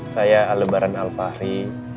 saya alebaran alfahri